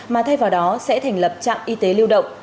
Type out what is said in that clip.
mà thay vào đó sẽ thành lập trạm y tế lưu động